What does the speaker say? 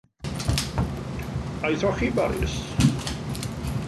Aethoch chi i Baris?